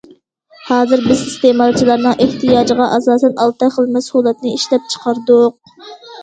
ھازىر بىز ئىستېمالچىلارنىڭ ئېھتىياجىغا ئاساسەن، ئالتە خىل مەھسۇلاتنى ئىشلەپچىقاردۇق.